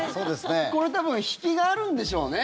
これ多分引きがあるんでしょうね。